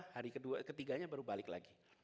hari ketiganya baru balik lagi